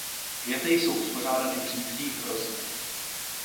Květy jsou uspořádány v řídkých hroznech.